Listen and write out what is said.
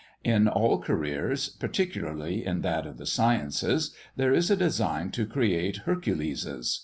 In all careers, particularly in that of the sciences, there is a design to create Herculeses.